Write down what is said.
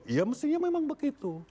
ya mestinya memang begitu